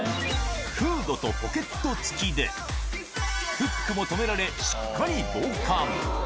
フードとポケット付きで、フックも止められ、しっかり防寒。